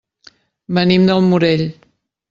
Venim del Morell.